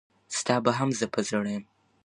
ستا به هم زه په زړه یم.